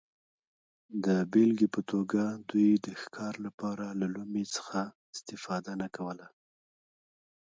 د بېلګې په توګه دوی د ښکار لپاره له لومې څخه استفاده نه کوله